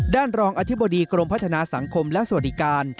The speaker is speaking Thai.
รองอธิบดีกรมพัฒนาสังคมและสวัสดิการ